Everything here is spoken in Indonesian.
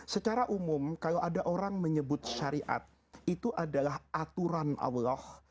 secara umum kalau ada orang menyebut syariat itu adalah aturan allah